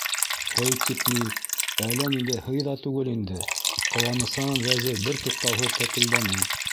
- Һый тип ни, әллә ниндәй һый ҙа түгел инде, - ҡыуанысынан Вәзир бер туҡтауһыҙ тәтелдәне.